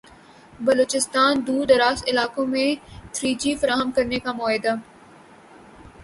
بلوچستان دوردراز علاقوں میں تھری جی فراہم کرنے کا معاہدہ